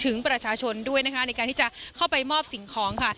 ในการที่จะเข้าไปมอบสิ่งของ